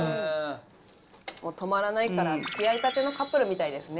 もう止まらないからつきあいたてのカップルみたいですね。